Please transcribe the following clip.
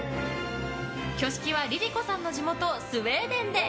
挙式はＬｉＬｉＣｏさんの地元スウェーデンで。